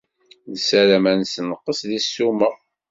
Nessaram ad nessenɣes deg ssuma.